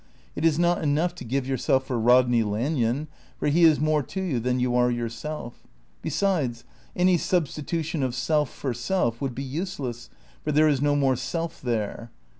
It is not enough to give yourself for Rodney Lanyon, for he is more to you than you are yourself. Besides, any substitution of self for self would be useless, for there is no more self there.